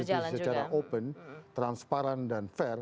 yaitu mahkamah konstitusi secara open transparan dan fair